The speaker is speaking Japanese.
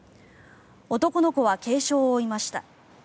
男の子は軽傷を負いました。